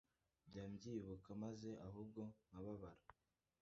njya mbyibuka maze ahubwo nkababara